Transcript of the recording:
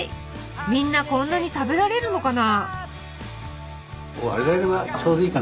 みんなこんなに食べられるのかな？